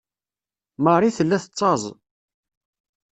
Marie tella tettaẓ.